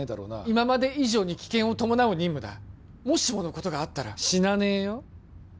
今まで以上に危険を伴う任務だもしものことがあったら死なねえよ